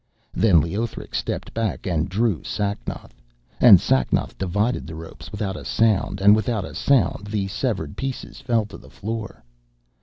Then Leothric stepped back and drew Sacnoth, and Sacnoth divided the ropes without a sound, and without a sound the severed pieces fell to the floor.